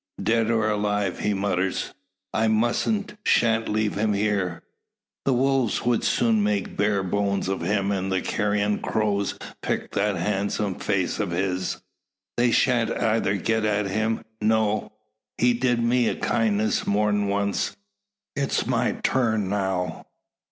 "Dead or alive," he mutters. "I mustn't, shan't leave him here. The wolves would soon make bare bones of him, and the carrion crows peck that handsome face of his. They shan't either get at him. No. He's did me a kindness more'n once, it's my turn now.